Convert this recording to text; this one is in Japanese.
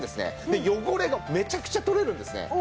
で汚れがめちゃくちゃ取れるんですね。